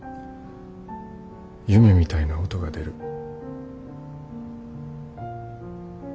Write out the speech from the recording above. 夢みたいな音が出る。